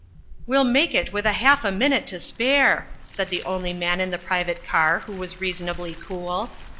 "We'll make it with half a minute to spare," said the only man in the private car who was reasonably cool.